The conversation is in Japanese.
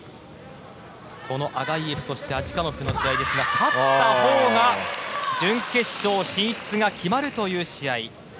このアガイェフそしてアジカノフの試合ですが勝ったほうが準決勝進出が決まるという試合。